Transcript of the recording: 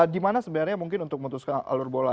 di mana sebenarnya mungkin untuk memutuskan alur bola